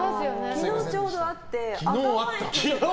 昨日ちょうどあって。